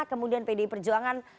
kemudian pdi perjuangan